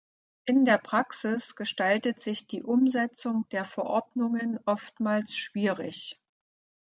In der Praxis gestaltet sich die Umsetzung der Verordnungen oftmals schwierig.